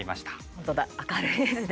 本当だ、明るいですね。